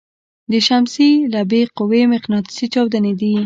د شمسي لمبې قوي مقناطیسي چاودنې دي.